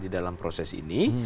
di dalam proses ini